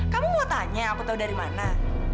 kamu mau tanya aku tahu dari mana